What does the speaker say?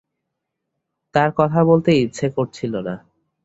তাঁর কথা বলতে ইচ্ছে করছিল না।